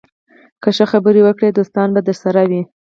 که ښه خبرې وکړې، دوستان به درسره وي